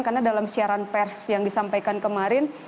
karena dalam siaran pers yang disampaikan kemarin